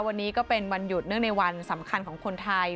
วันนี้ก็เป็นวันหยุดเนื่องในวันสำคัญของคนไทย